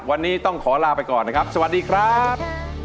วันนี้ต้องขอลาไปก่อนนะครับสวัสดีครับ